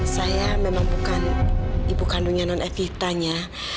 saya memang bukan ibu kandungnya non evitanya